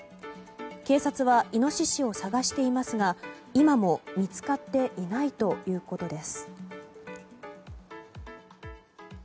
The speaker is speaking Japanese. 警察はイノシシを捜していますが今も見つかっていないということです。